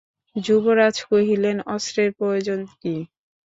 যুবরাজ কহিলেন, অস্ত্রের প্রয়োজন কী?